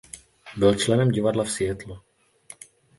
Byl členem divadla v Seattlu.